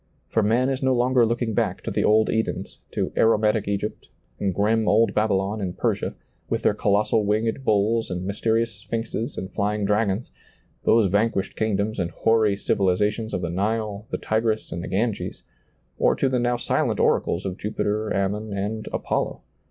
For man is no longer looking back to the old Edens, to aromatic Egypt, and grim old Babylon and Persia, with their colossal winged bulls and mysterious sphinxes and flying dragons ; those vanquished kingdoms and hoary civilizations of the Nile, the Tigris, and the Ganges ; or to the now silent oracles of Jupiter Ammon and Apollo.